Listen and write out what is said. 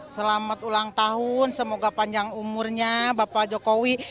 selamat ulang tahun semoga panjang umurnya bapak jokowi